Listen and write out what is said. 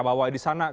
bahwa di sana